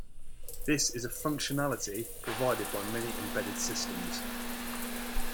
This is a functionality provided by many embedded systems.